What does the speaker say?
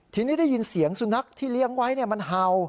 ทีนี้ได้ยินเสียงสุนัขที่เลี้ยงไว้มันเห่า